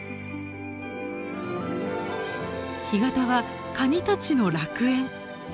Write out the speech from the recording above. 干潟はカニたちの楽園。